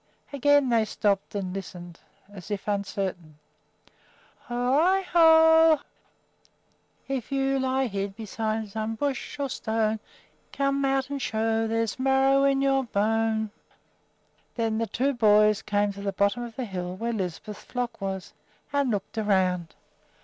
Again they stopped and listened, as if uncertain. "Ho i ho!" Again they challenged: If you lie hid behind some bush or stone, Come out and show there's marrow in your bone! Then the two boys came to the bottom of the hill, where Lisbeth's flock was, and looked around.